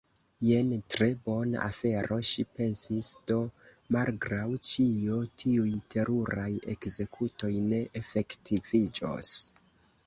"Jen tre bona afero," ŝi pensis. "Do, malgraŭ ĉio, tiuj teruraj ekzekutoj ne efektiviĝos. »